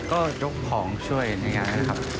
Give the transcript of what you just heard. ก็ยกของช่วยในงานนะครับ